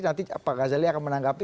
nanti pak ghazali akan menanggapi